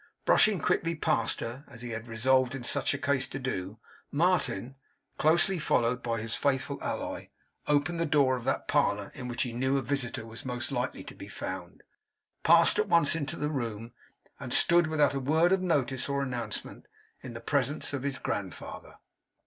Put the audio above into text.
Brushing quickly past her as he had resolved in such a case to do, Martin (closely followed by his faithful ally) opened the door of that parlour in which he knew a visitor was most likely to be found; passed at once into the room; and stood, without a word of notice or announcement, in the presence of his grandfather.